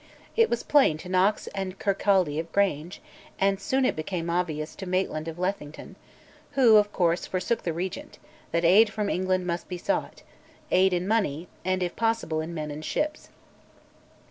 It was plain to Knox and Kirkcaldy of Grange, and it soon became obvious to Maitland of Lethington, who, of course, forsook the Regent, that aid from England must be sought, aid in money, and if possible in men and ships.